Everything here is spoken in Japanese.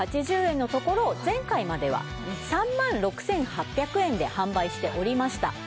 前回までは３万６８００円で販売しておりました。